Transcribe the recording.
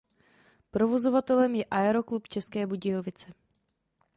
Provozovatelem je Aeroklub České Budějovice.